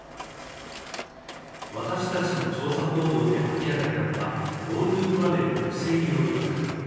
私たちの調査報道で明らかになったＧｏＴｏトラベルの不正利用疑惑